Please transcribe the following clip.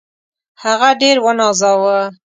هغه ډېر ونازاوه.